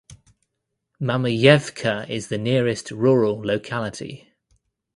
Mamayevka is the nearest rural locality.